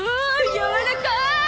やわらかい！